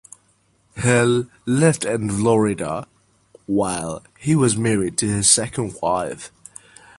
Hill lived in Florida while he was married to his second wife.